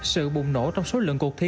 sự bùng nổ trong số lượng cuộc thi